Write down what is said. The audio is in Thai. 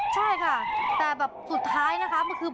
ใช่ค่ะแต่แบบสุดท้ายนะคะคือ